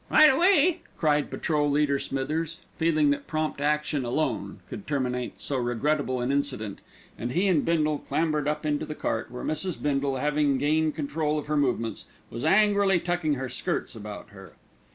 "Right away!" cried Patrol leader Smithers, feeling that prompt action alone could terminate so regrettable an incident, and he and Bindle clambered up into the cart, where Mrs. Bindle, having regained control of her movements, was angrily tucking her skirts about her.